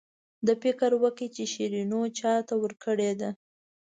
ده فکر وکړ چې شیرینو چاته ورکړې ده.